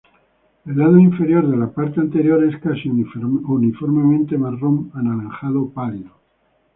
El lado inferior de la parte anterior es casi uniformemente marrón anaranjado pálido.